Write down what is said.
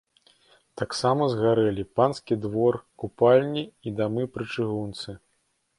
Таксама згарэлі панскі двор, купальні і дамы пры чыгунцы.